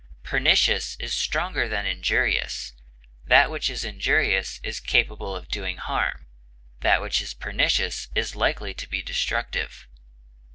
Pernicious is stronger than injurious; that which is injurious is capable of doing harm; that which is pernicious is likely to be destructive.